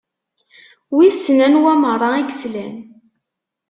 Wissen anwa meṛṛa i yeslan?